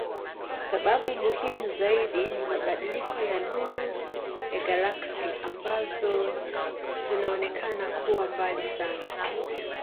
Sababu muhimu zaidi ni mabadiliko ya nuru ya galaksi ambazo zinaonekana kuwa mbali sana.